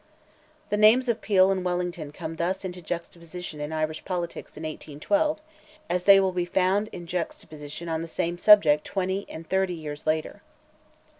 The names of Peel and Wellington come thus into juxtaposition in Irish politics in 1812, as they will be found in juxtaposition on the same subject twenty and thirty years later.